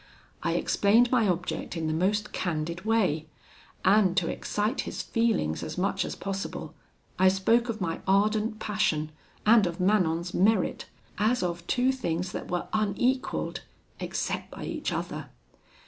I explained my object in the most candid way; and, to excite his feelings as much as possible, I spoke of my ardent passion and of Manon's merit, as of two things that were unequalled, except by each other.